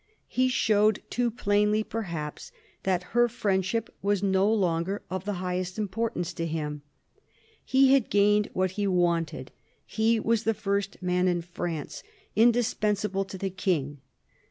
He showed too plainly perhaps that her friendship was no longer of the highest importance to him. He had gained what he wanted ; he was the first man in France, indispensable to the King.